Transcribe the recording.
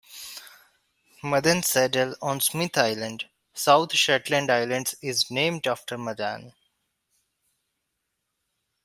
Madan Saddle on Smith Island, South Shetland Islands is named after Madan.